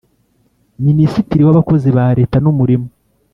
minisitiri w’abakozi ba leta n’umurimo